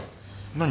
何？